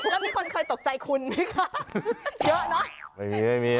แล้วมีคนเคยตกใจคุณไหมคะเยอะเนอะ